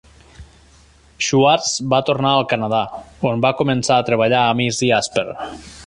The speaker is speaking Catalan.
Schwarts va tornar al Canadà, on va començar a treballar amb Izzy Asper.